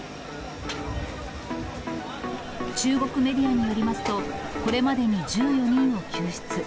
中国メディアによりますと、これまでに１４人を救出。